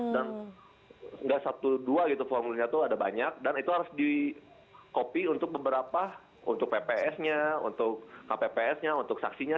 dan gak satu dua gitu formulirnya tuh ada banyak dan itu harus di copy untuk beberapa untuk pps nya untuk kpps nya untuk saksinya